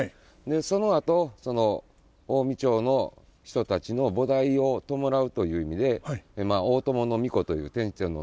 そのあとその近江朝の人たちの菩提を弔うという意味で大友皇子という天智天皇の皇子ですね。